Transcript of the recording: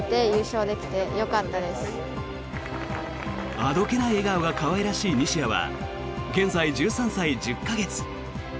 あどけない笑顔が可愛らしい西矢は現在、１３歳１０か月。